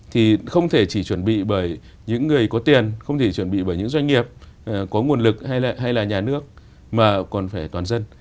thì không thể chỉ chuẩn bị bởi những người có tiền không thể chuẩn bị bởi những doanh nghiệp có nguồn lực hay là nhà nước mà còn phải toàn dân